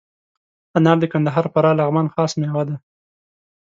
انار د کندهار، فراه، لغمان خاص میوه ده.